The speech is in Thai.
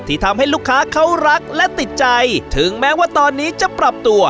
ทำให้ลูกค้าเขารักและติดใจถึงแม้ว่าตอนนี้จะปรับตัว